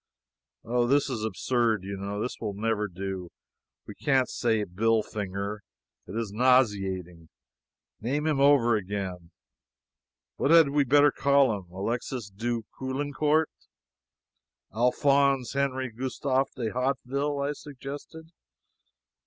Oh! This is absurd, you know. This will never do. We can't say Billfinger; it is nauseating. Name him over again; what had we better call him? Alexis du Caulaincourt?" "Alphonse Henri Gustave de Hauteville," I suggested.